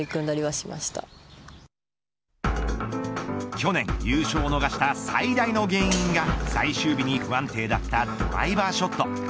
去年、優勝逃した最大の原因が最終日に不安定だったドライバーショット。